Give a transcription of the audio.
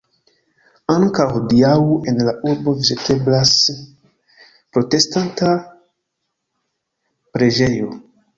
Ankaŭ hodiaŭ en la urbo viziteblas protestanta preĝejo.